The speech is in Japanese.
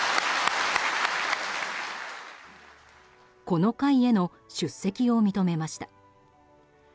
この会への出席を認めました。